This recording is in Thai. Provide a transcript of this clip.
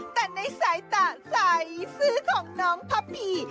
แต่ในสายตาสายซื้อของน้องพับพี